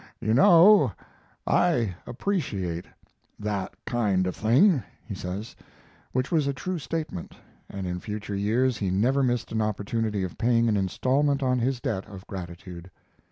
"You know I appreciate that kind of thing," he says; which was a true statement, and in future years he never missed an opportunity of paying an instalment on his debt of gratitude.